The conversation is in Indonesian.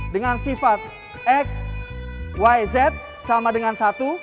dengan sifat xyz sama dengan satu